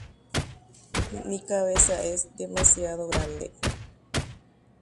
Che akã ituichaiterei.